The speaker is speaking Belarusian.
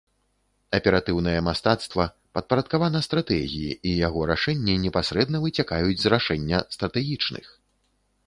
Аператыўнае мастацтва падпарадкавана стратэгіі і яго рашэнні непасрэдна выцякаюць з рашэння стратэгічных.